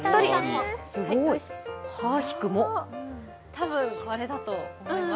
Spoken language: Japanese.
多分これだと思います。